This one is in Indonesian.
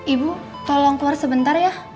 ibu tolong keluar sebentar ya